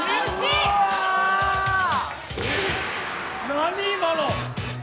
何今の？